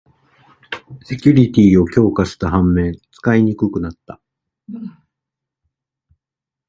セキュリティーを強化した反面、使いにくくなった